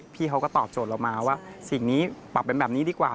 พี่เขาก็ตอบโจทย์เรามาว่าสิ่งนี้ปรับเป็นแบบนี้ดีกว่า